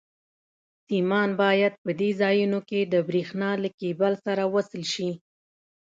سیمان باید په دې ځایونو کې د برېښنا له کېبل سره وصل شي.